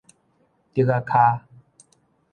竹仔跤